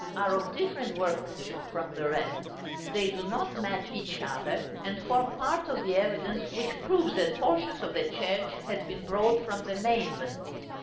are of different workmanship from the rest; they do not match each other, and form part of the evidence which proves that portions of the church had been brought from the mainland.